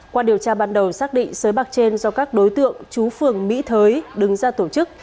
qua điều tra ban đầu xác định sới bạc trên do các đối tượng chú phường mỹ thới đứng ra tổ chức